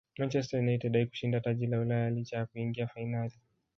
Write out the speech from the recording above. manchester united haikushinda taji la ulaya licha ya kuingia fainali